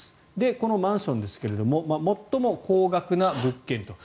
このマンションですけれども最も高額な物件と。